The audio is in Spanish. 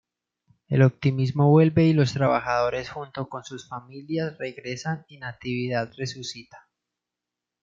El optimismo vuelve y los trabajadores junto con sus familias regresan y Natividad resucita.